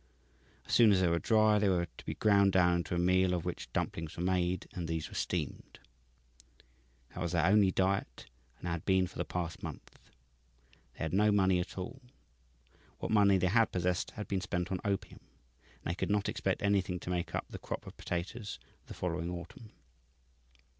As soon as they were dry, they were to be ground down into a meal of which dumplings were made, and these were steamed. That was their only diet, and had been for the past month. They had no money at all. What money they had possessed had been spent on opium, and they could not expect anything to make up the crop of potatoes the following autumn.